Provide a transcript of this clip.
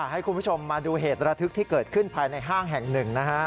ให้คุณผู้ชมมาดูเหตุระทึกที่เกิดขึ้นภายในห้างแห่งหนึ่งนะฮะ